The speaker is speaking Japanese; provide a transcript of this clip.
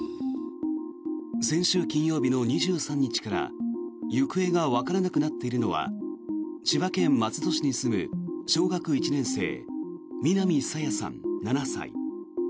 先週金曜日の２３日から行方がわからなくなっているのは千葉県松戸市に住む小学１年生、南朝芽さん、７歳。